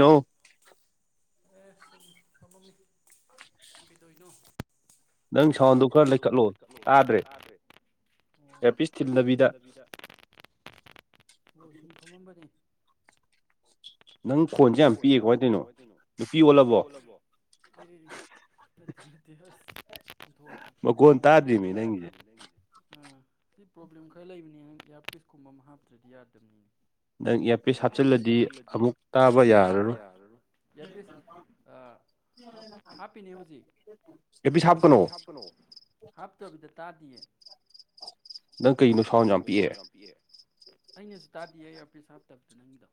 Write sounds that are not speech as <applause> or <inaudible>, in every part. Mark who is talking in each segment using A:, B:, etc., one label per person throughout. A: ꯅꯣ
B: ꯑꯦ ꯁꯨꯝ ꯐꯝꯃꯝꯃꯤ ꯀꯩꯗꯣꯏꯅꯣ ꯅꯪ ꯁꯥꯎꯟꯗꯣ ꯈꯔ ꯂꯩꯈꯠꯂꯣ ꯇꯥꯗ꯭ꯔꯦ ꯑꯣ ꯏ꯭ꯌꯥꯔꯄꯤꯁ ꯊꯤꯟꯗꯕꯤꯗ ꯑꯣ ꯁꯨꯝ ꯐꯝꯃꯝꯕꯅꯦ ꯅꯪ ꯈꯣꯟꯁꯦ ꯌꯥꯝ ꯄꯤꯛꯑꯦ ꯀꯃꯥꯏ ꯇꯧꯏꯅꯣ ꯅꯨꯄꯤ ꯑꯣꯜꯂꯕꯣ <unintelligible> <unintelligible> ꯑꯕꯣ ꯇꯥꯗꯦꯃꯦ ꯅꯪꯒꯤꯁꯦ ꯑ ꯁꯤ ꯄ꯭ꯔꯣꯕ꯭ꯂꯦꯝ ꯈꯔ ꯂꯩꯕꯅꯦ ꯅꯪ ꯏꯌꯥꯔꯄꯤꯁꯀꯨꯝꯕ ꯑꯃ ꯍꯥꯞꯇ꯭ꯔꯗꯤ ꯌꯥꯗꯕꯅꯤꯅꯦ ꯅꯪ ꯏꯌꯥꯔꯄꯤꯁ ꯍꯥꯞꯆꯤꯜꯂꯗꯤ ꯑꯃꯨꯛ ꯇꯥꯕ ꯌꯥꯔꯔꯣꯏ ꯏꯌ꯭ꯔꯄꯤꯁ ꯑ ꯍꯥꯞ ꯍꯥꯞꯄꯤꯅꯦ ꯍꯧꯖꯤꯛ
A: ꯏꯌꯥꯔꯄꯤꯁ ꯍꯥꯞꯀꯅꯣ
B: ꯍꯥꯞꯇꯕꯤꯗ ꯇꯥꯗꯤꯌꯦ ꯅꯪ ꯀꯩꯅꯣ ꯁꯥꯎꯟ ꯌꯥꯝ ꯄꯤꯛꯑꯦ ꯑꯩꯅꯖꯨ ꯇꯥꯗꯤꯌꯦ ꯏꯌꯥꯔꯄ꯭ꯔꯤꯁ ꯍꯥꯞꯇꯕꯗꯨ ꯅꯪꯒꯤꯗꯣ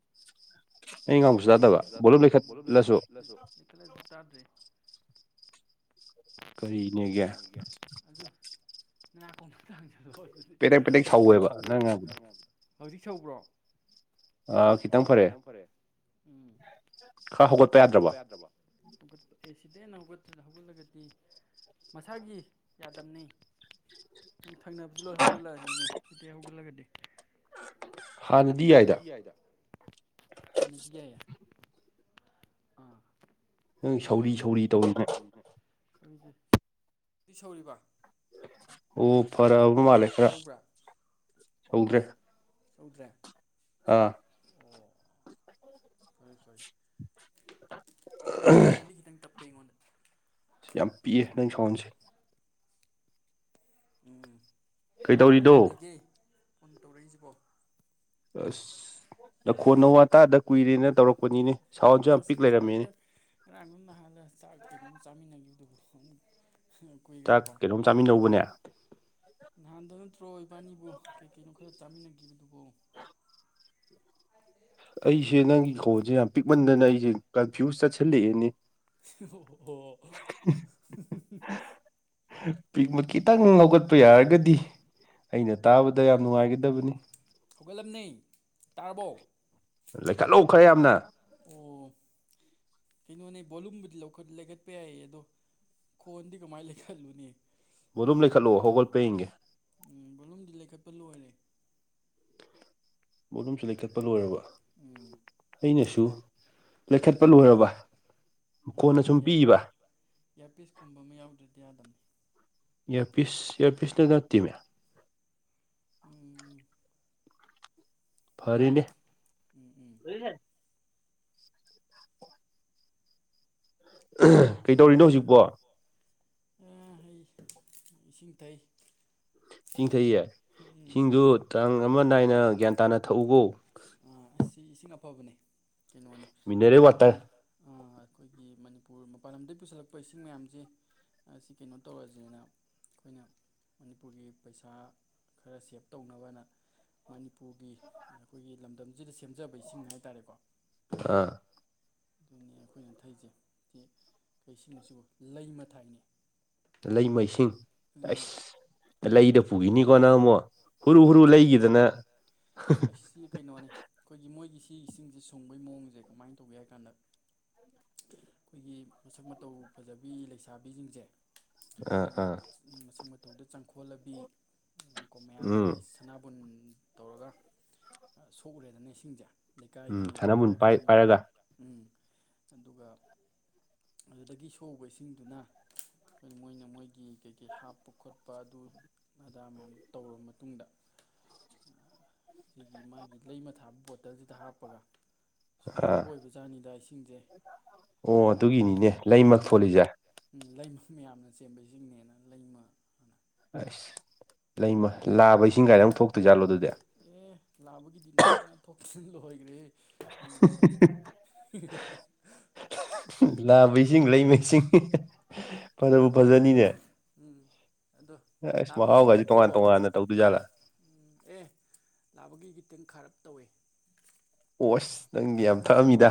B: ꯑꯩ ꯉꯥꯡꯕꯁꯨ ꯇꯥꯗꯕ ꯚꯣꯂꯨꯝ ꯂꯩꯈꯠꯂꯁꯨ ꯂꯩꯈꯠꯂꯖꯨ ꯇꯥꯗ꯭ꯔꯦ ꯀꯔꯤꯅꯦꯒꯦ ꯑꯗꯨ ꯅꯅꯥꯀꯣꯡꯗ ꯊꯥꯡꯖꯟꯂꯣ ꯑꯗꯨꯗꯤ ꯄꯦꯗꯦꯛ ꯄꯦꯗꯦꯛ ꯁꯧꯋꯦꯕ ꯅꯪ ꯉꯥꯡꯕꯗꯣ ꯍꯧꯖꯤꯛ ꯁꯧꯕ꯭ꯔꯣ ꯑꯥ ꯈꯤꯇꯪ ꯐꯔꯛꯑꯦ ꯎꯝ ꯈꯥ ꯍꯧꯒꯠꯄ ꯌꯥꯗ꯭ꯔꯕꯣ ꯍꯧꯒꯠꯄ ꯑꯦ ꯁꯤꯗꯩ ꯍꯦꯟꯅ ꯍꯧꯒꯠ ꯍꯧꯒꯠꯂꯒꯗꯤ ꯃꯁꯥꯒꯤ ꯌꯥꯗꯝꯅꯦ ꯅꯪ ꯊꯪꯅꯕꯖꯦ ꯂꯣꯏ ꯍꯧꯒꯠꯂꯛꯑꯅꯤꯅꯦ <unintelligible> ꯍꯧꯒꯠꯂꯒꯗꯤ ꯍꯥꯟꯅꯗꯤ ꯌꯥꯏꯗ ꯍꯥꯟꯅꯗꯤ ꯌꯥꯏꯌꯦ ꯅꯪ ꯁꯧꯔꯤ ꯁꯧꯔꯤ ꯇꯧꯔꯤꯅꯦ <unintelligible> ꯁꯧꯔꯤꯕ
A: ꯍꯣ ꯐꯔꯛꯑꯕ ꯃꯥꯜꯂꯦ ꯈꯔ ꯁꯧꯗ꯭ꯔꯦ
B: ꯁꯧꯗ꯭ꯔꯥ
A: ꯑꯥ
B: ꯑꯣ ꯐꯩ ꯐꯩ ꯃꯈꯣꯟꯗꯤ ꯈꯤꯇꯪ ꯇꯞꯄꯦ ꯑꯩꯉꯣꯟꯗ
A: ꯁꯤ ꯌꯥꯝ ꯄꯤꯛꯑꯦ ꯅꯪ ꯁꯥꯎꯟꯁꯦ
B: ꯎꯝ ꯎꯝ ꯀꯩ ꯂꯩꯒꯦ ꯐꯣꯟ ꯇꯧꯔꯛꯏꯖꯤꯕꯣ
A: ꯑꯁ ꯅꯈꯣꯟ ꯅꯋꯥ ꯇꯥꯗ ꯀꯨꯏꯔꯦꯅ ꯇꯧꯔꯛꯄꯅꯤꯅꯦ ꯁꯥꯎꯟꯁꯨ ꯌꯥꯝ ꯄꯤꯛ ꯂꯩꯔꯝꯃꯦꯅꯦ
B: ꯉꯔꯥꯡꯂꯣ ꯅꯍꯥꯟꯂ ꯆꯥꯛ ꯀꯩꯅꯣꯝ ꯆꯥꯃꯤꯟꯅꯈꯤꯕꯗꯨꯕꯨ
A: ꯆꯥꯛ ꯀꯩꯅꯣꯝ ꯆꯥꯃꯤꯟꯅꯧꯕꯅꯦ
B: ꯅꯍꯥꯟꯗ ꯅꯠꯇ꯭ꯔꯣ ꯏꯕꯥꯅꯤꯕꯨ ꯀꯩ ꯀꯩꯅꯣ ꯈꯔ ꯆꯥꯃꯤꯟꯅꯒꯤꯕꯗꯨꯕꯣ <unintelligible>
A: ꯑꯩꯁꯦ ꯅꯪꯒꯤ ꯈꯣꯟꯖꯦ ꯌꯥꯝ ꯄꯤꯛꯃꯟꯗꯅ ꯑꯩꯖꯦ ꯀꯟꯐ꯭ꯌꯨꯁ ꯆꯠꯁꯟꯂꯛꯑꯦꯅꯦ
B: ꯑꯣ
A: ꯄꯤꯛꯃ ꯈꯤꯇꯪ ꯍꯧꯒꯠꯄ ꯌꯥꯔꯒꯗꯤ ꯑꯩꯅ ꯇꯥꯕꯗ ꯌꯥꯝ ꯅꯨꯡꯉꯥꯏꯒꯗꯕꯅꯤ
B: ꯍꯧꯒꯠꯂꯝꯅꯦ ꯇꯥꯔꯕꯣ
A: ꯂꯩꯈꯠꯂꯣ ꯈꯔ ꯌꯥꯝꯅ
B: ꯑꯣ ꯀꯩꯅꯣꯅꯦ ꯚꯣꯂꯨꯝꯕꯨꯗꯤ ꯂꯧꯈꯠ ꯂꯩꯈꯠꯄ ꯌꯥꯏꯌꯦ ꯑꯗꯣ ꯈꯣꯟꯗꯤ ꯀꯃꯥꯏ ꯂꯩꯈꯠꯂꯨꯅꯤ
A: ꯚꯣꯂꯨꯝ ꯂꯩꯈꯠꯂꯣ ꯍꯧꯒꯠꯄ꯭ꯔꯥ ꯌꯦꯡꯒꯦ
B: ꯎꯝ ꯕꯣꯂꯨꯝꯗꯤ ꯂꯩꯈꯠꯄ ꯂꯣꯏꯔꯦ
A: ꯕꯣꯂꯨꯝꯁꯨ ꯂꯩꯈꯠꯄ ꯂꯣꯏꯔꯕ
B: ꯎꯝ
A: ꯑꯩꯅꯁꯨ ꯂꯩꯈꯠꯄ ꯂꯣꯏꯔꯕ
B: ꯑꯗꯨꯅꯦ ꯏꯌꯥꯔꯄꯤꯁ ꯏꯌꯥꯔꯄꯤꯁꯀꯨꯝꯕꯃ ꯌꯥꯎꯗ꯭ꯔꯗꯤ ꯌꯥꯗꯝꯅꯦ
A: ꯏꯌꯥꯔꯄꯤꯁ ꯏꯌꯥꯔꯄꯤꯁꯅ ꯅꯠꯇꯦꯃꯦ
B: ꯎꯝ
A: ꯐꯔꯦꯅꯦ
B: ꯎꯝ ꯎꯝ
A: <unintelligible> <unintelligible>
B: ꯍꯥꯏꯌꯨ ꯍꯥꯏꯌꯣ ꯑ ꯍꯩ ꯏꯁꯤꯡ ꯊꯛꯏ
A: ꯏꯁꯤꯡ ꯊꯛꯏꯌꯦ ꯏꯁꯤꯡꯗꯨ ꯇꯥꯡ ꯑꯃ ꯅꯥꯏꯅ ꯒ꯭ꯌꯥꯟ ꯇꯥꯅ ꯊꯛꯎꯀꯣ
B: ꯑꯁꯤ ꯏꯁꯤꯡ ꯑꯐꯕꯅꯦ ꯀꯩꯅꯣꯅꯤ ꯃꯄꯥꯜ ꯑ ꯑꯩꯈꯣꯏꯒꯤ ꯃꯅꯤꯄꯨꯔ ꯃꯄꯥꯟ ꯂꯝꯗꯒꯤ ꯄꯨꯁꯤꯜꯂꯛꯄ ꯏꯁꯤꯡ ꯃꯌꯥꯝꯁꯦ ꯑ ꯑꯁꯤ ꯀꯩꯅꯣ ꯇꯧꯔꯁꯤꯅ ꯑꯩꯈꯣꯏꯅ ꯃꯅꯤꯄꯨꯔꯒꯤ ꯄꯩꯁꯥ ꯈꯔ ꯁꯦꯞ ꯇꯧꯅꯕꯅ ꯃꯅꯤꯄꯨꯔꯒꯤ ꯑꯩꯈꯣꯏꯒꯤ ꯂꯝꯗꯝꯁꯤꯗ ꯁꯦꯝꯖꯕ ꯏꯁꯤꯡ ꯍꯥꯏꯇꯥꯔꯦꯀꯣ
A: ꯑꯥ
B: ꯑꯗꯨꯅꯦ ꯑꯩꯈꯣꯏꯅ ꯊꯛꯏꯁꯦ ꯊꯤ ꯏꯁꯤꯡꯁꯨ ꯂꯩꯃ ꯊꯥꯏꯅꯦ
A: ꯂꯩꯃ ꯏꯁꯤꯡ ꯑꯁ ꯂꯩꯗ ꯄꯨꯈꯤꯅꯤꯀꯣ ꯅꯪ ꯑꯃꯨꯛ ꯍꯨꯔꯨ ꯍꯨꯔꯨ ꯂꯩꯈꯤꯗꯅ
B: ꯁꯤ ꯀꯩꯅꯣꯅꯤ ꯑꯩꯈꯣꯏꯒꯤ ꯃꯣꯏꯒꯤ ꯁꯤ ꯏꯁꯤꯡꯁꯦ ꯁꯨꯡꯕꯒꯤ ꯃꯑꯣꯡꯁꯦ ꯀꯃꯥꯏꯅ ꯇꯧꯒꯦ ꯍꯥꯏ ꯀꯥꯟꯗ ꯑꯩꯈꯣꯏꯒꯤ ꯃꯁꯛ ꯃꯇꯧ ꯐꯖꯕꯤ ꯂꯩꯁꯥꯕꯤꯁꯤꯡꯁꯦ
A: ꯑꯥ ꯑꯥ
B: ꯎꯝ ꯃꯁꯛ ꯃꯇꯧꯗ ꯆꯪꯈꯣꯟꯂꯕꯤ ꯀꯣ ꯃꯌꯥꯝ ꯁꯅꯥꯕꯨꯟ ꯇꯧꯔꯒ ꯁꯣꯛꯎꯔꯦꯗꯅ ꯏꯁꯤꯡꯁꯦ ꯂꯩꯀꯥꯏꯒꯤ ꯑꯣꯏꯒꯦꯔꯥ ꯀꯩꯒꯤ <unintelligible> ꯎꯝ ꯑꯗꯨꯒ ꯑꯗꯨꯗꯒꯤ ꯁꯣꯛꯎꯕ ꯏꯁꯤꯡꯗꯨꯅ ꯃꯣꯏꯅ ꯃꯣꯏꯒꯤ ꯀꯩꯀꯩ ꯍꯥꯞꯄ ꯈꯣꯠꯄ ꯑꯗꯨ ꯑꯗꯥ ꯃꯌꯥꯝ ꯇꯧꯔꯕ ꯃꯇꯨꯡ ꯇꯨꯡꯗ ꯁꯤꯒꯤ ꯃꯥꯒꯤ ꯂꯩꯃ ꯊꯥꯕ ꯕꯣꯇꯜꯁꯤꯗ ꯍꯥꯞꯄꯒ ꯁꯨꯡꯉꯛꯄ ꯑꯣꯏꯕꯖꯥꯠꯅꯤꯗ ꯏꯁꯤꯡꯁꯦ ꯑꯗꯨꯒꯤꯅꯤ ꯎꯝ ꯂꯩꯃ ꯃꯌꯥꯝꯅ ꯆꯦꯟꯕ ꯏꯁꯤꯡꯅꯦꯅ ꯂꯩꯃꯅ
A: ꯑꯁ ꯂꯩꯃ ꯂꯥꯕ ꯏꯁꯤꯡ ꯀꯥꯏꯅ ꯑꯃꯨꯛ ꯊꯣꯛꯇꯣꯏꯖꯥꯠꯂꯣ ꯑꯗꯨꯗꯤ
B: ꯑꯦ ꯂꯥꯕꯒꯤꯗꯤ ꯅꯍꯥꯟꯅ ꯊꯣꯛꯇꯅ ꯂꯣꯏꯈ꯭ꯔꯦꯍꯦ
A: <unintelligible> ꯅꯥꯕ ꯏꯁꯤꯡ ꯂꯩꯃ ꯏꯁꯤꯡ ꯐꯅꯕꯨ ꯐꯖꯅꯤꯅꯦ ꯑꯁ ꯃꯍꯥꯎꯒꯁꯤ ꯇꯣꯉꯥꯟ ꯇꯣꯉꯥꯟꯅ ꯇꯧꯗꯣꯏꯖꯥꯠꯂꯥ
B: ꯎꯝ ꯑꯦ ꯂꯥꯕꯒꯤ ꯈꯤꯇꯪ ꯈꯥꯔꯞ ꯇꯧꯋꯦ
A: ꯑꯣꯁ ꯅꯪꯗꯤ ꯌꯥꯝ ꯊꯛꯑꯝꯃꯤꯗ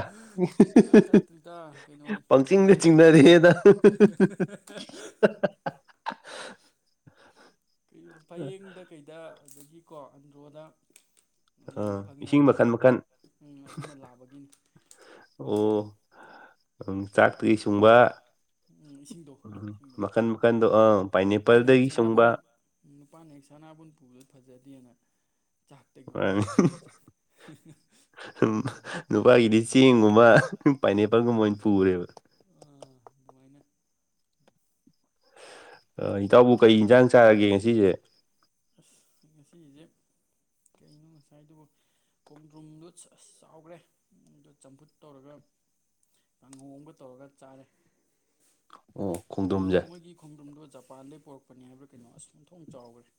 A: ꯄꯪꯆꯤꯡꯗ ꯆꯤꯡꯅꯔꯦꯗ <unintelligible>
B: <unintelligible> ꯐꯩꯌꯦꯡꯗ ꯀꯩꯗ ꯑꯗꯒꯤꯀꯣ ꯑꯟꯗ꯭ꯔꯣꯗ ꯌꯥꯝ ꯐꯪꯉꯦ ꯍꯥꯏꯕꯅꯤ ꯎꯝ ꯑꯗꯨꯅ ꯂꯥꯕꯒꯤꯅꯤ
A: ꯑꯣ ꯎꯝ ꯆꯥꯛꯇꯒꯤ ꯁꯨꯡꯕ
B: ꯎꯝ ꯏꯁꯤꯡꯗꯣ ꯏꯁꯤꯡꯗꯣ ꯎꯝ ꯅꯨꯄꯥꯅ ꯍꯦꯛ ꯁꯅꯥꯕꯨꯟ ꯎꯝ ꯅꯨꯄꯥꯅ ꯍꯦꯛ ꯁꯅꯥꯕꯨꯟ ꯄꯨꯕꯗꯣ ꯐꯖꯗꯦꯅ ꯆꯥꯛꯇꯒꯤ ꯑꯣꯏꯅ ꯂꯧꯊꯣꯛꯑꯕ ꯖꯥꯠꯅꯤ
A: ꯎꯝ ꯅꯨꯄꯥꯒꯤꯗꯤ ꯆꯦꯡꯒꯨꯝꯕ ꯄꯥꯏꯅꯦꯄꯜꯒꯨꯝꯕ ꯑꯣꯏꯅ ꯄꯨꯔꯦꯕ
B: ꯑꯥ ꯑꯗꯨꯃꯥꯏꯅ
A: ꯑ ꯏꯇꯥꯎꯕꯨ ꯀꯔꯤ ꯏꯟꯖꯥꯡ ꯆꯥꯔꯒꯦ ꯉꯁꯤꯁꯦ
B: ꯑꯁ ꯉꯁꯤꯁꯦ ꯀꯩꯅꯣ ꯉꯁꯥꯏꯗꯨꯕꯨ ꯈꯣꯡꯗ꯭ꯔꯨꯝꯗꯨ ꯑꯁ ꯆꯥꯎꯈ꯭ꯔꯦ ꯑꯗꯨ ꯆꯝꯐꯨꯠ ꯇꯧꯔꯒ ꯀꯥꯡꯍꯣ ꯑꯝꯒ ꯇꯧꯔꯒ ꯆꯥꯔꯦ
A: ꯑꯣ
B: ꯀꯩꯅꯣ ꯃꯣꯏꯒꯤ ꯈꯣꯡꯗ꯭ꯔꯨꯝꯗꯣ ꯖꯄꯥꯟꯗꯩ ꯄꯣꯔꯛꯄꯅꯦ ꯍꯥꯏꯕ꯭ꯔ ꯀꯩꯅꯣ ꯑꯁ ꯑꯣꯟꯊꯣꯛꯅ ꯆꯥꯎꯈ꯭ꯔꯦ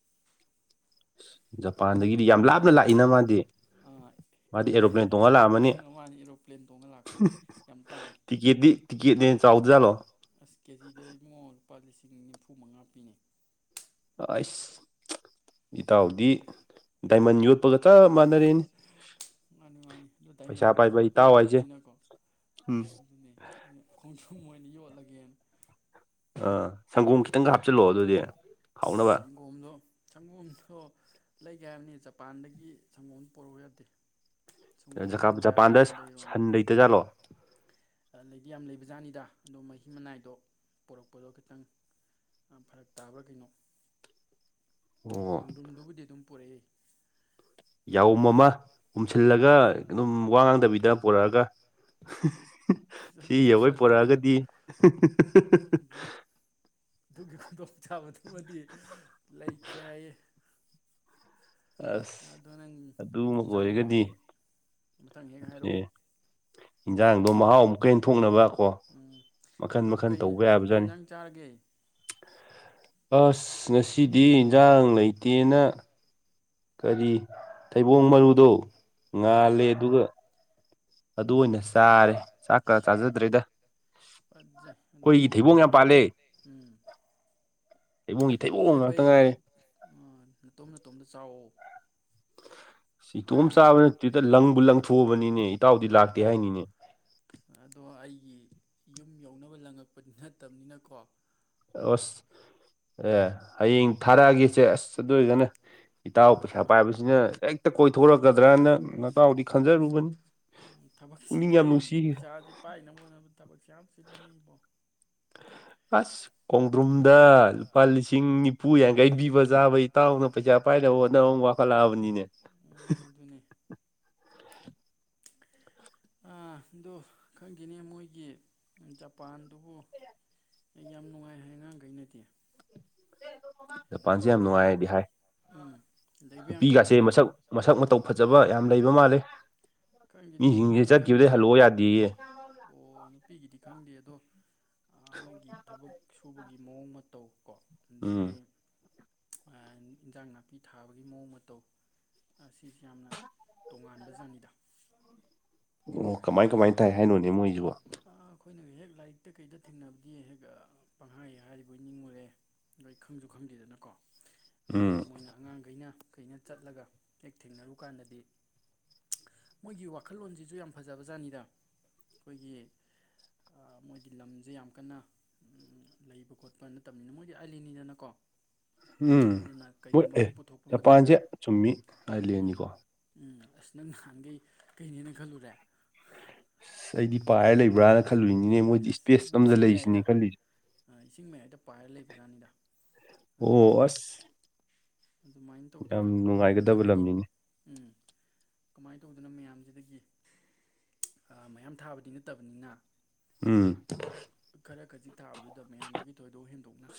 B: <unintelligible> ꯌꯝ ꯂꯞꯅ ꯂꯛꯏꯗꯥ ꯃꯗꯤ ꯑꯥ ꯑꯦꯔꯣꯄ꯭ꯂꯦ <unintelligible> ꯑꯥ ꯃꯥꯅꯤ ꯑꯦꯔꯣꯄ ꯄ꯭ꯂꯦꯟ ꯇꯣꯡꯉ ꯂꯥꯛꯄꯅꯤ ꯌꯥꯝ ꯇꯥꯡꯉꯤ <unintelligible> ꯆꯥꯎꯖꯠꯂꯣ ꯑꯁ ꯀꯦꯖꯤꯗ ꯏꯕꯨꯡꯉꯣ ꯂꯨꯄꯥ ꯂꯤꯁꯤꯡ ꯅꯤꯐꯨ ꯃꯉꯥ ꯄꯤꯅꯦ
A: ꯑꯥꯑꯩꯁ ꯏꯇꯥꯎꯗꯤ ꯗꯥꯏꯃꯟ ꯌꯣꯠꯄꯒ
B: <unintelligible> ꯃꯟꯅꯤ ꯃꯟꯅꯤ ꯑꯗꯨ ꯗꯥꯏꯃꯟꯃꯛꯇꯤ ꯌꯣꯠꯄ ꯌꯥꯗꯕꯅꯤꯅꯀꯣ ꯑꯗꯨꯅꯦ ꯑꯩꯅ ꯈꯣꯡꯗ꯭ꯔꯨꯝ ꯑꯣꯏꯅ ꯌꯣꯠꯂꯒꯦꯅ
A: ꯑꯥ ꯁꯪꯒꯣꯝ ꯈꯤꯇꯪꯒ ꯍꯥꯞꯆꯤꯜꯂꯣ ꯑꯗꯨꯗꯤ ꯍꯥꯎꯅꯕ
B: ꯒꯣꯝꯗꯣ ꯁꯪꯒꯣꯝꯗꯣ ꯂꯩꯒꯦ ꯍꯥꯏꯕꯅꯤ ꯖꯄꯥꯟꯗꯒꯤ ꯁꯪꯒꯣꯝ ꯄꯣꯔꯎ ꯌꯥꯗꯦ
A: ꯀꯩꯅꯣ ꯖꯥꯀꯥꯞ ꯖꯥꯄꯥꯟꯗ ꯁꯥ ꯁꯟ ꯂꯩꯇ ꯖꯠꯂꯣ
B: ꯑꯥ ꯂꯩꯗꯤ ꯌꯥꯝ ꯂꯩꯕꯖꯥꯠꯅꯤꯗ ꯑꯗꯣ ꯃꯍꯤ ꯃꯅꯥꯏꯗꯣ ꯄꯣꯔꯛꯄꯗꯣ ꯈꯤꯇꯪ ꯑꯥ ꯐꯔꯛ ꯇꯥꯕ꯭ꯔꯥ ꯀꯩꯅꯣ
A: <unintelligible>
B: ꯈꯣꯡꯗ꯭ꯔꯨꯝꯗꯨꯕꯨꯗꯤ ꯑꯗꯨꯝ ꯄꯨꯔꯥꯑꯦ
A: ꯌꯥꯎꯝ ꯑꯃ ꯎꯨꯝꯁꯤꯜꯂꯒ ꯑꯗꯨꯝ ꯋꯥ ꯉꯥꯡꯗꯕꯤꯗ ꯄꯨꯔꯛꯑꯒ <unintelligible> ꯁꯤ ꯌꯧꯕꯣꯏ ꯄꯣꯔꯛꯑꯒꯗꯤ <unintelligible>
B: ꯑꯗꯨꯒꯤ ꯈꯨꯗꯣꯡ ꯆꯥꯕꯗꯨꯃꯗꯤ ꯂꯩꯇ꯭ꯔꯦ ꯍꯥꯏꯌꯦ ꯑꯗꯣ ꯅꯪ ꯅꯪꯁꯨ ꯆꯥꯅꯤꯡꯉꯒꯗꯤ ꯃꯊꯪ ꯍꯦꯛ ꯍꯥꯏꯔꯛꯑꯣ
A: ꯍꯤꯡꯖꯥꯡꯗꯣ ꯃꯍꯥꯎ ꯑꯃꯨꯛ ꯀꯟꯅꯍꯦꯟ ꯊꯣꯛꯅꯕ
B: <unintelligible> ꯎꯝ ꯅꯪꯕꯨ ꯀꯩ ꯅꯪꯗꯤ ꯀꯩ ꯏꯟꯖꯥꯡ ꯆꯥꯔꯒꯦ
A: ꯑꯁ ꯉꯁꯤꯗꯤ ꯏꯟꯖꯥꯡ ꯂꯩꯇꯦꯅ ꯀꯔꯤ ꯊꯩꯕꯣꯡ ꯃꯔꯨꯗꯣ ꯉꯥꯜꯂꯦ ꯑꯗꯨꯒ ꯑꯗꯨ ꯑꯣꯏꯅ ꯆꯥꯔꯦ ꯆꯥꯛꯀꯥ ꯆꯥꯖꯗ꯭ꯔꯦꯗ
B: ꯐꯖꯩ ꯑꯗꯨꯗꯤ ꯑꯍꯥꯎꯕ <unintelligible> ꯄꯜꯂꯦ ꯎꯝ
A: ꯊꯩꯕꯣꯡꯒꯤ ꯊꯩꯕꯣꯡ ꯉꯥꯛꯇ ꯉꯥꯏꯔꯦ
B: ꯃꯟꯅꯦ ꯅꯇꯣꯝ ꯅꯇꯣꯝꯗ ꯆꯥꯎꯑꯣ
A: ꯁꯤ ꯏꯇꯣꯝ ꯆꯥꯕ ꯅꯠꯇꯦꯗ ꯂꯪꯕꯨ ꯂꯪꯊꯣꯛꯑꯕꯅꯤꯅꯦ
B: ꯑꯣ <unintelligible> ꯑꯗꯣ ꯑꯩꯒꯤ ꯌꯨꯝ ꯌꯧꯅꯕ ꯂꯪꯉꯛꯄ ꯅꯠꯇꯕꯅꯤꯅꯀꯣ
A: ꯑꯣꯁ ꯑꯦ ꯍꯌꯦꯡ ꯊꯥꯔꯒꯦꯁꯦ ꯑꯁ ꯑꯗꯨ ꯑꯣꯏꯒꯅ ꯏꯇꯥꯎ ꯄꯩꯁꯥ ꯄꯥꯏꯕꯁꯤꯅ ꯍꯦꯛꯇ ꯀꯣꯏꯊꯣꯔꯛꯀꯗ꯭ꯔꯅ ꯅꯇꯥꯎꯗꯤ ꯈꯟꯖꯔꯨꯕꯅꯤ ꯄꯨꯛꯅꯤꯡ ꯌꯥꯝ ꯅꯨꯡꯁꯤ
B: ꯄꯥꯏꯅꯝ ꯍꯣꯠꯅꯕ ꯊꯕꯛꯁꯦ ꯌꯥꯝ ꯆꯤꯜꯂꯤꯅ‌ꯦ ꯏꯕꯣ
A: ꯑꯁ ꯀꯣꯡꯗ꯭ꯔꯨꯝꯗꯥ ꯂꯨꯄꯥ ꯂꯤꯁꯤꯡ ꯅꯤꯐꯨ ꯌꯥꯡꯈꯩ ꯄꯤꯕ ꯆꯥꯕ ꯏꯇꯥꯎꯅ ꯄꯩꯁꯥ ꯄꯥꯏꯅꯕ ꯍꯣꯠꯅꯕ ꯋꯥꯈꯠꯂꯛꯑꯕꯅꯤ ꯅ‌ꯦ <unintelligible>
B: ꯑꯗꯨꯅꯦ ꯑꯥ ꯑꯗꯨ ꯈꯪꯈꯤꯅꯦ ꯃꯣꯏꯒꯤ ꯎꯝ ꯖꯥꯄꯥꯟꯗꯨꯕꯨ ꯑꯩ ꯌꯥꯝ ꯅꯨꯡꯉꯥꯏ ꯍꯥꯏ ꯑꯉꯥꯡꯒꯩꯅꯗꯤ
A: <unintelligible> ꯖꯄꯥꯟꯁꯦ ꯌꯥꯝ ꯅꯨꯡꯉꯥꯏꯗꯤ ꯍꯥꯏ ꯑꯥ ꯅꯨꯄꯤꯒꯁꯦ ꯃꯁꯛ ꯃꯁꯛ ꯃꯇꯧ ꯐꯖꯕ ꯌꯥꯝ ꯂꯩꯕ ꯃꯥꯜꯂꯤ ꯃꯤꯁꯤꯡꯁꯦ ꯆꯠꯈꯤꯕꯗꯩ ꯍꯜꯂꯛꯑꯣ ꯌꯥꯗꯦꯌꯦ
B: ꯑꯣ ꯅꯨꯄꯤꯒꯤꯗꯤ ꯈꯪꯗꯦ ꯑꯗꯣ ꯑꯥ ꯃꯣꯏꯒꯤ ꯊꯕꯛ ꯁꯨꯕꯒꯤ ꯃꯑꯣꯡ ꯃꯇꯧ ꯀꯣ ꯑꯗꯒꯤ ꯑꯦꯟ ꯏꯟꯖꯥꯡ ꯅꯥꯄꯤ ꯊꯥꯕꯒꯤ ꯃꯑꯣꯡ ꯃꯇꯧ ꯑꯥꯁꯤꯁꯦ ꯌꯥꯝꯅ ꯇꯣꯉꯥꯟꯕ ꯖꯥꯅꯤꯗ <unintelligible>
A: ꯑꯣ ꯀꯃꯥꯏ ꯀꯃꯥꯏꯅ ꯇꯥꯏ ꯍꯥꯏꯅꯣꯅꯦ ꯃꯣꯏꯖꯤꯕꯣ
B: ꯑꯥ ꯑꯩꯈꯣꯏꯅ ꯔꯤꯌꯦꯜꯂꯥꯐꯇ ꯀꯩꯗ ꯊꯦꯡꯅꯕꯗꯤ ꯍꯦꯛ ꯑꯥ ꯄꯪꯍꯥꯏ ꯍꯥꯏꯔꯤꯕꯣꯏ ꯅꯤꯡꯉꯨꯔꯦ ꯅꯣꯏ ꯈꯪꯖꯨ ꯈꯪꯗꯦꯗꯅꯀꯣ ꯑꯗꯣ ꯃꯣꯏꯅ ꯑꯉꯥꯡꯒꯩꯅ ꯀꯩꯅ ꯆꯠꯂꯒ ꯍꯦꯛ ꯊꯦꯡꯅꯔꯨꯀꯥꯟꯗꯗꯤ ꯃꯣꯏꯒꯤ ꯋꯥꯈꯜꯂꯣꯟꯖꯤꯖꯨ ꯌꯥꯝ ꯐꯖꯩ ꯐꯥꯖꯕꯖꯥꯠꯅꯤꯗ ꯑꯩꯈꯣꯏꯒꯤ ꯃꯣꯏꯒꯤ ꯑꯥ ꯂꯝꯖꯦ ꯌꯥꯝ ꯀꯟꯅ ꯂꯩꯕ ꯈꯣꯠꯄ ꯅꯠꯇꯕꯅꯤꯅ ꯃꯣꯏꯒꯤ ꯑꯥꯏꯂꯦꯟꯅꯤꯗꯅꯀꯣ ꯑꯗꯨꯅ ꯀꯩꯒꯨꯝꯕ ꯑꯃ ꯄꯨꯊꯣꯛꯄ ꯃꯇꯝꯗ ꯎꯝ ꯎꯝ ꯑꯁ ꯅꯪ ꯅꯍꯥꯟꯒꯩ ꯀꯩꯅꯦꯅ ꯈꯜꯂꯨꯔꯦ
A: ꯑꯁ ꯑꯩꯗꯤ ꯄꯥꯏꯔ ꯂꯩꯕ꯭ꯔꯥꯅ ꯈꯜꯂꯨꯏꯅꯤꯅꯦ ꯃꯣꯏꯗꯤ ꯏꯁꯄꯦꯁ ꯑꯝꯗ ꯂꯩꯔꯤꯁꯤꯅꯦ ꯈꯜꯂꯤꯁꯦ
B: ꯑꯥ ꯏꯁꯤꯡ ꯃꯌꯥꯏꯗ ꯄꯥꯏꯔ ꯂꯩꯕꯖꯥꯠꯅꯤꯗ
A: ꯑꯣ ꯑꯁ
B: ꯑꯗꯨꯃꯥꯏꯅ ꯇꯧꯗꯅ ꯃꯌꯥꯝꯖꯤꯗꯒꯤ ꯎꯝ ꯀꯃꯥꯏꯅ ꯇꯧꯗꯅ ꯃꯌꯥꯝꯖꯤꯗꯒꯤ ꯑꯥ ꯃꯌꯥꯝ ꯊꯥꯕꯗꯤ ꯅꯠꯇꯕꯅꯤꯅ
A: ꯎꯝ
B: ꯈꯔ ꯈꯖꯤꯛ ꯊꯥꯕꯗꯨꯗ ꯃꯌꯥꯝꯗꯒꯤ ꯊꯣꯏꯗꯣꯛ ꯍꯦꯟꯗꯣꯛꯅ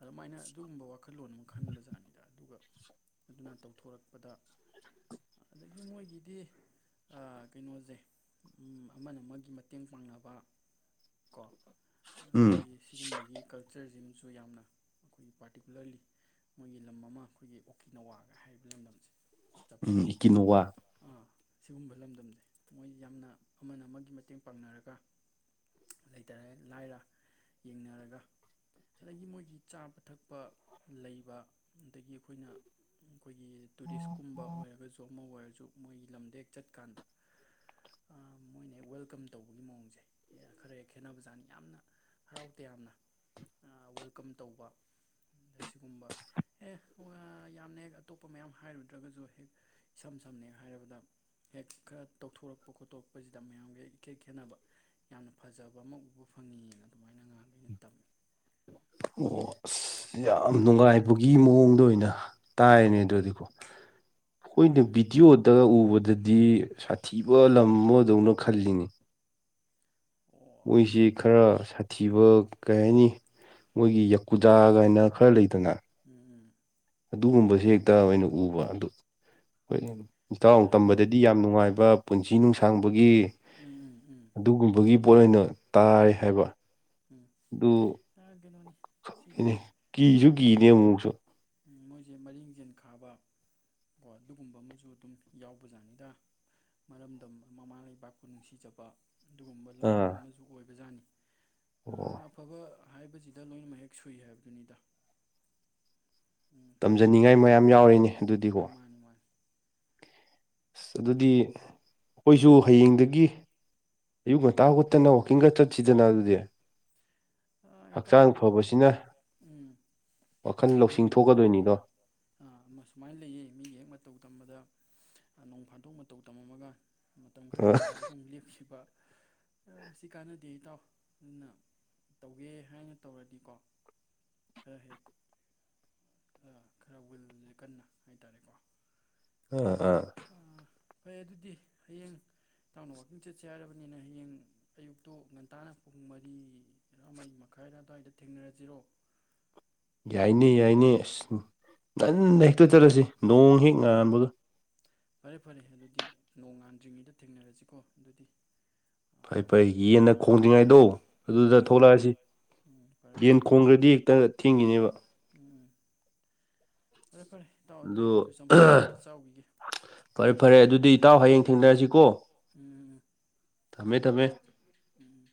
B: ꯑꯗꯨꯃꯥꯏꯅ ꯑꯗꯨꯒꯨꯝꯕ ꯋꯥꯈꯜꯂꯣꯟ ꯑꯃ ꯈꯟꯕ ꯖꯥꯠꯅꯤꯗ ꯑꯗꯨꯒ ꯑꯗꯨꯅ ꯇꯧꯊꯣꯔꯛꯄꯗ ꯑꯗꯒꯤ ꯃꯣꯏꯒꯤꯗꯤ ꯑꯥ ꯀꯩꯅꯣꯖ‌ꯦ ꯎꯝ ꯑꯃꯅ ꯑꯃꯒꯤ ꯃꯇꯦꯡ ꯄꯥꯡꯅꯕ ꯀꯣ ꯑꯗꯒꯤ ꯑꯁꯤꯒꯨꯝꯕꯒꯤ ꯀꯜꯆꯔꯖꯤꯝꯃꯁꯨ ꯌꯥꯝꯅ ꯑꯩꯈꯣꯏ ꯄꯥꯔꯇꯤꯀꯨꯂꯔꯂꯤ ꯃꯣꯏꯒꯤ ꯂꯝ ꯑꯃ ꯑꯩꯈꯣꯏꯒꯤ ꯑꯣꯀꯤ ꯅꯋꯥꯒ ꯍꯥꯏꯔꯤꯕ ꯂꯝꯗꯝꯁꯦ ꯖꯄꯥꯟꯒꯤ ꯥ ꯑꯥ ꯁꯤꯒꯨꯝꯕ ꯂꯝꯗꯝꯖꯦ ꯃꯣꯏꯖ‌ꯦ ꯌꯥꯝꯅ ꯑꯃꯅ ꯑꯃꯒꯤ ꯃꯇꯦꯡ ꯄꯥꯡꯅꯔꯒ ꯂꯩꯇ ꯂꯥꯏꯔ ꯌꯦꯡꯅꯔꯒ ꯑꯗꯒꯤ ꯃꯣꯏꯒꯤ ꯆꯥꯕ ꯊꯛꯄ ꯂꯩꯕ ꯑꯗꯒꯤ ꯑꯩꯈꯣꯏꯅ ꯑꯩꯈꯣꯏꯒꯤ ꯇꯨꯔꯤꯁꯀꯨꯝꯕ ꯑꯣꯏꯔꯒꯖꯨ ꯑꯃ ꯑꯣꯏꯔꯖꯨ ꯃꯣꯏꯒꯤ ꯂꯝꯗ ꯍꯦꯛ ꯆꯠꯀꯥꯟꯗ ꯑꯥ ꯃꯣꯏꯅ ꯍꯦꯛ ꯋꯦꯜꯀꯝ ꯇꯧꯕꯒꯤ ꯃꯑꯣꯡꯖꯦ ꯈꯔ ꯍꯦꯛ ꯈꯦꯠꯅꯕꯖꯥꯠꯅꯤ ꯌꯥꯝꯅ ꯍꯔꯥꯎ ꯇꯌꯥꯝꯅ ꯋꯦꯜꯀꯝ ꯇꯧꯕ ꯁꯤꯒꯨꯝꯕ ꯍꯦ ꯋꯥ ꯌꯥꯝꯅ ꯍꯦꯛ ꯑꯇꯣꯞꯄ ꯃꯌꯥꯝ ꯍꯥꯏꯔꯨꯗ꯭ꯔꯒꯖꯨ ꯍꯦꯛ ꯏꯁꯝ ꯁꯝꯅ ꯍꯥꯏꯔꯕꯗ ꯍꯦꯛ ꯈꯔ ꯇꯧꯊꯣꯔꯛꯄ ꯈꯣꯠꯇꯣꯔꯛꯄꯁꯤꯗ ꯃꯌꯥꯝꯒ ꯍꯦꯛ ꯏꯈꯦꯠ ꯈꯦꯠꯅꯕ ꯌꯥꯝꯅ ꯐꯥꯖꯕ ꯑꯃ ꯎꯕ ꯐꯪꯉꯤꯅ ꯑꯗꯨꯃꯥꯏꯅ ꯑꯉꯥꯡꯒꯩꯅ ꯇꯝꯃꯦ
A: ꯑꯣ ꯑꯁ ꯌꯥꯝ ꯅꯨꯡꯉꯥꯏꯕꯒꯤ ꯃꯑꯣꯡꯗ ꯑꯣꯏꯅ ꯇꯥꯏꯅꯦ ꯑꯗꯨꯗꯤꯀꯣ ꯑꯩꯈꯣꯏꯅ ꯚꯤꯗꯤꯑꯣ ꯎꯕꯗꯗꯤ ꯁꯥꯊꯤꯕ ꯂꯝ ꯑꯃꯗꯧꯅ ꯈꯜꯂꯤꯅꯦ ꯃꯣꯏꯖꯤ ꯈꯔ ꯁꯥꯊꯤꯕ ꯀꯩ ꯍꯥꯏꯅꯤ ꯃꯣꯏꯒꯤ ꯖꯥꯒꯥꯏꯅ ꯈꯔ ꯂꯩꯗꯅ
B: ꯎꯝ ꯎꯝ
A: ꯑꯗꯨꯒꯨꯝꯕꯁ ꯍꯦꯛꯇ ꯑꯣꯏꯅ ꯎꯕ ꯑꯗꯨ ꯍꯣꯏ ꯏꯇꯥꯎꯅ ꯇꯝꯕꯗꯗꯤ ꯌꯥꯝ ꯅꯨꯡꯉꯥꯏꯕ ꯄꯨꯟꯁꯤ ꯅꯨꯡꯁꯥꯡꯕꯒꯤ ꯑꯗꯨꯒꯨꯝꯕꯒꯤ ꯄꯣꯠ ꯑꯣꯏꯅ ꯇꯥꯔꯦ ꯍꯥꯏꯕ ꯑꯗꯨ ꯈꯪꯗꯦꯅꯦ ꯀꯤꯖꯨ ꯀꯤꯅꯦ ꯑꯃꯨꯛ ꯃꯨꯛꯁꯨ
B: ꯎꯝ ꯃꯣꯏꯖꯦ ꯃꯔꯤꯡꯖꯦꯟ ꯈꯥꯕ ꯀꯣ ꯑꯗꯨꯒꯨꯝꯕ ꯑꯃꯖꯨ ꯑꯗꯨꯝ ꯌꯥꯎꯕ ꯖꯥꯠꯅꯤꯗ ꯃꯔꯝꯗꯝ ꯃꯃꯥ ꯂꯩꯕꯥꯛꯄꯨ ꯅꯨꯡꯁꯤꯖꯕ ꯑꯗꯨꯒꯨꯝꯕ ꯂꯝꯗꯝ ꯑꯃꯁꯨ ꯑꯣꯏꯕꯖꯥꯠꯅꯤ ꯑꯥ ꯐꯕ ꯍꯥꯏꯕꯁꯤꯗ ꯂꯣꯏꯅꯃꯛ ꯍꯦꯛ ꯁꯨꯏ ꯍꯥꯏꯕꯗꯨꯅꯤꯗ
A: ꯇꯝꯖꯅꯤꯡꯉꯥꯏ ꯃꯌꯥꯝ ꯌꯥꯎꯔꯤꯅꯦ ꯑꯗꯨꯗꯤꯕꯣ
B: ꯃꯥꯅꯤ ꯃꯥꯅꯦ
A: ꯑꯗꯨꯗꯤ ꯈꯣꯏꯖꯨ ꯍꯌꯦꯡꯗꯒꯤ ꯏꯤꯌꯨꯛ ꯉꯟꯇꯥ ꯍꯧꯒꯠꯇꯅ ꯋꯀꯤꯡꯒ ꯆꯠꯁꯤꯗꯅ ꯑꯗꯨꯗꯤ
B: ꯑ ꯏꯇꯥꯎ ꯅꯣꯡꯐꯥꯗꯣꯛ ꯎꯝ ꯃꯤꯒꯤ ꯃꯇꯧ ꯇꯝꯕꯗ ꯑ ꯑꯃ ꯁꯨꯃꯥꯏꯟ ꯂꯩꯌꯦ ꯃꯤꯒꯤ ꯍꯦꯛ ꯃꯇꯧ ꯇꯝꯕꯗ ꯅꯣꯡ ꯐꯥꯗꯣꯛ ꯃꯇꯧ ꯇꯝꯃꯝꯃꯒ ꯃꯇꯝ ꯈꯔ ꯍꯦꯛ ꯂꯩꯔꯒ ꯑꯃꯨꯛ ꯂꯦꯞꯈꯤꯕ ꯃꯁꯤ ꯀꯥꯟꯅꯗꯦ ꯏꯇꯥꯎ ꯑꯟꯅ ꯇꯧꯒꯦ ꯍꯥꯏꯅ ꯇꯧꯔꯗꯤꯀꯣ ꯈꯔ ꯍꯦꯛ ꯑ ꯈꯔ ꯋꯤꯜꯖꯦ ꯀꯟꯅ ꯍꯥꯏꯇꯥꯔꯦꯀꯣ
A: ꯑꯥ ꯑꯥ
B: ꯑ ꯐꯔꯦ ꯑꯗꯨꯗꯤ ꯍꯌꯦꯡ ꯏꯇꯥꯎꯅ ꯋꯥꯛꯀꯤꯡ ꯆꯦꯠꯁꯦ ꯍꯥꯏꯔꯕꯅꯤꯅ ꯍꯌꯦꯡ ꯑꯌꯨꯛꯇꯨ ꯉꯟꯇꯥꯅ ꯄꯨꯡ ꯃꯔꯤ ꯔꯥꯑꯃꯩ ꯃꯈꯥꯏꯔ ꯑꯗꯨ꯭ꯋꯥꯏꯗ ꯊꯦꯡꯅꯔꯖꯤꯔꯣ
A: ꯌꯥꯏꯅꯦ ꯌꯥꯏꯅꯦ ꯑꯁ ꯉꯟꯅ ꯍꯦꯛꯇ ꯆꯠꯂꯁꯤ ꯅꯣꯡ ꯍꯦꯛ ꯉꯥꯟꯕꯒ
B: ꯐꯔꯦ ꯐꯔꯦ ꯑꯗꯨꯗꯤ ꯅꯣꯡꯉꯥꯟꯗ꯭ꯔꯤꯉꯩꯗ ꯊꯦꯡꯅꯔꯖꯤꯀꯣ ꯑꯗꯨꯗꯤ
A: ꯐꯩ ꯐꯩ ꯌꯦꯟꯅ ꯈꯣꯡꯗ꯭ꯔꯤꯉꯥꯏꯗꯣ ꯑꯗꯨꯗ ꯊꯣꯛꯂꯛꯑꯁꯤ ꯌꯦꯟ ꯈꯣꯡꯒꯔꯗꯤ ꯍꯦꯛꯇ ꯊꯦꯡꯒꯤꯅꯦꯕ
B: ꯎꯝ ꯐꯔꯦ ꯐꯔꯦ
A: ꯗꯣ ꯐꯔꯦ ꯐꯔꯦ ꯑꯗꯨꯗꯤ ꯏꯇꯥꯎ ꯍꯌꯦꯡ ꯊꯦꯡꯅꯔꯖꯤꯀꯣ
B: ꯎꯝ
A: ꯇꯝꯃꯦ ꯇꯝꯃꯦ
B: ꯎꯝ